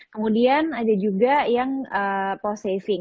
kemudian ada juga yang post saving